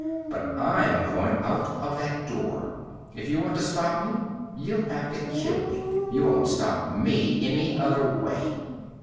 But I'm going out of that door! If you want to stop me, you'll have to kill me. You won't stop me any other way!"